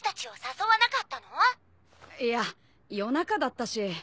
いや夜中だったし。